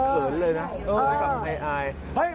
เกินเลยนะให้กลับให้อาย